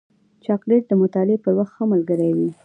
چاکلېټ د مطالعې پر وخت ښه ملګری وي.